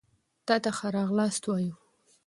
تاته ښه راغلاست وايو